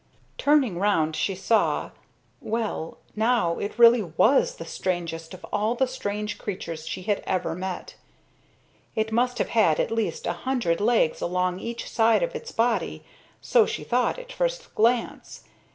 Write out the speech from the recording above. Turning round she saw well, now it really was the strangest of all the strange creatures she had ever met. It must have had at least a hundred legs along each side of its body so she thought at first glance.